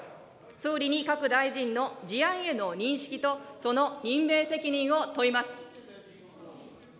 総理に各大臣の事案への認識と、その任命責任を問います。